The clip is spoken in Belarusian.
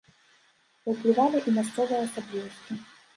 Паўплывалі і мясцовыя асаблівасці.